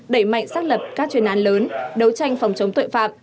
đẩy mạnh xác lập các chuyên án lớn đấu tranh phòng chống tội phạm